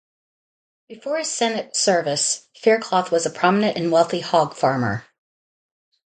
Before his Senate service, Faircloth was a prominent and wealthy hog farmer.